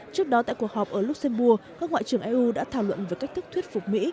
trước đó tại cuộc họp ở luxembourg các ngoại trưởng eu đã thảo luận về cách thức thuyết phục mỹ